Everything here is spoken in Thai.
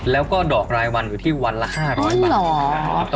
แล้วก็ดอกรายวันอยู่ที่วันละ๕๐๐บาท